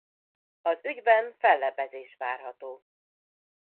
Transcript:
Az ügyben fellebbezés várható.